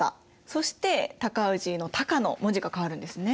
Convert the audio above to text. そして高氏の「高」の文字が変わるんですね。